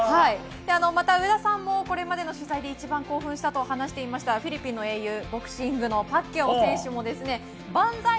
また、上田さんもこれまでの取材で一番興奮したと話していましたフィリピンの英雄ボクシングのパッキャオ選手もバンザイ！